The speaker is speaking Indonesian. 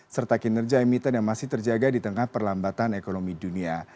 serta kinerja emiten yang masih terjaga di tengah perlambatan ekonomi dunia